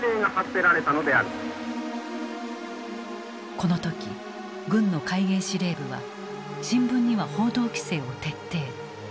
この時軍の戒厳司令部は新聞には報道規制を徹底。